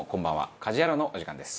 『家事ヤロウ！！！』のお時間です。